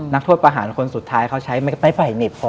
นักโทษประหารคนสุดท้ายเขาใช้ไม้ไผ่เหน็บพอ